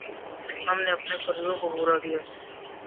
ہم نے اپنے فرضوں کو پورا کیا۔